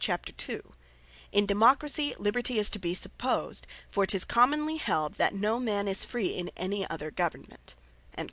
6.cap.2) "In democracy, Liberty is to be supposed: for 'tis commonly held, that no man is Free in any other Government."